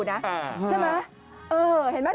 ใครน่ะช่างธรรม